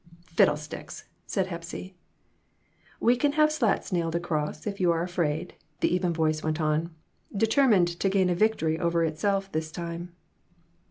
"Fiddlesticks!" said Hepsy. "We can have slats nailed across, if you are ' afraid," the even voice went on, determined to gain a victory over itself this time.